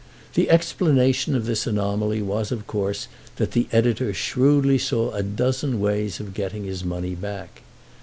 The explanation of this anomaly was of course that the editor shrewdly saw a dozen ways of getting his money back.